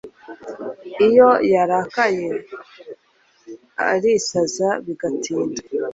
iyo yarakaye arisaza bigatinda